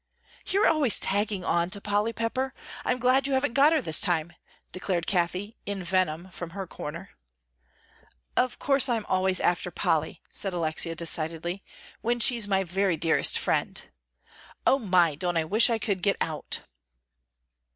"You're always tagging on to Polly Pepper; I'm glad you haven't got her this time," declared Cathie, in venom from her corner. "Of course I'm always after Polly," said Alexia, decidedly, "when she's my very dearest friend. O my, don't I wish I could get out!"